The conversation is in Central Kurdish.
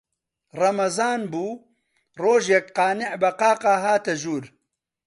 ڕەمەزان بوو، ڕۆژێک قانیع بە قاقا هاتە ژوور